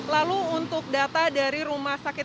lalu untuk data dari rumah sakit